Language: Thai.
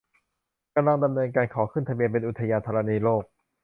กำลังดำเนินการขอขึ้นทะเบียนเป็นอุทยานธรณีโลก